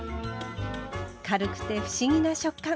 軽くて不思議な食感！